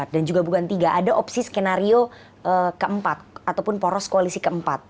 dan juga bukan tiga ada opsi skenario keempat ataupun poros koalisi keempat